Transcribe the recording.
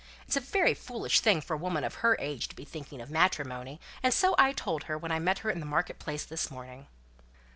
It's a very foolish thing for a woman of her age to be thinking of matrimony; and so I told her, when I met her in the market place this morning!"